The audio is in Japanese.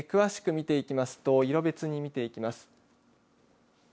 詳しく見ていきますと色別に見ていきます。